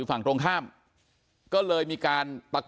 ก็ได้รู้สึกว่ามันกลายเป้าหมาย